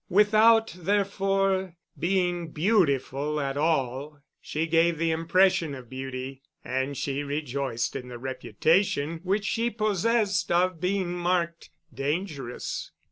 Without, therefore, being beautiful at all, she gave the impression of beauty, and she rejoiced in the reputation which she possessed of being marked "Dangerous."